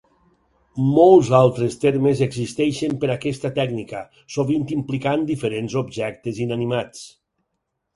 Molts altres termes existeixen per aquesta tècnica, sovint implicant diferents objectes inanimats.